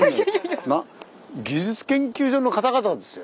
技術研究所の方々ですよ。